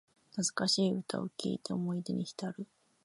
懐かしい歌を聴いて思い出にひたる